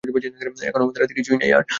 এখন আমাদের হাতে কিছুই নেই আর।